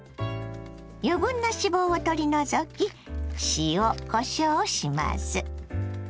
余分な脂肪を取り除き塩こしょうをします。